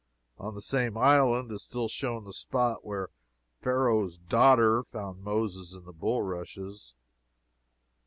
On the same island is still shown the spot where Pharaoh's daughter found Moses in the bulrushes.